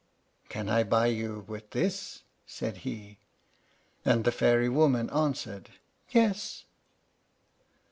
"Can I buy you with this?" said he; and the fairy woman answered, "Yes."